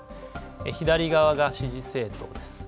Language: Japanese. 左側が支持政党です。